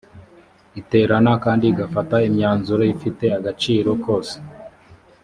iterana kandi igafata imyanzuro ifite agaciro kose